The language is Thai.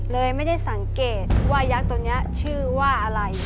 เลยไม่ได้สังเกตว่ายักษ์ตัวนี้ชื่อว่าอะไร